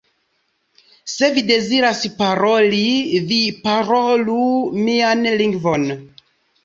Se vi deziras paroli, vi parolu mian lingvon".